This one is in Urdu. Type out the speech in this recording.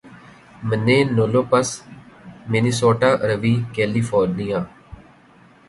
منینولوپس مینیسوٹا اروی کیلی_فورنیا